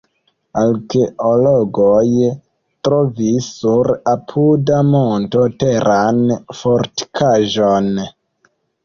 Arkeologoj trovis sur apuda monto teran fortikaĵon.